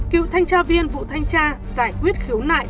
cựu thanh tra viên vụ thanh tra giải quyết khiếu nại